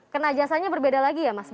karena jasanya berbeda lagi ya mas